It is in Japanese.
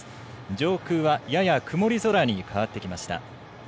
上空は、やや曇り空に変わってきました。